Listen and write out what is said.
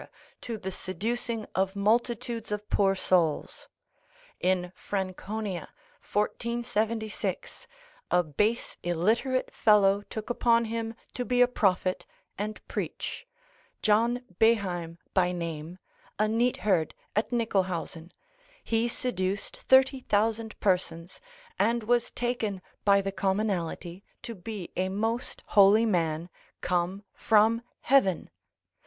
to the seducing of multitudes of poor souls. In Franconia, 1476, a base illiterate fellow took upon him to be a prophet, and preach, John Beheim by name, a neatherd at Nicholhausen, he seduced 30,000 persons, and was taken by the commonalty to be a most holy man, come from heaven.